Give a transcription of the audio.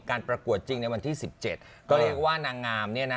ท่านได้ยินไหม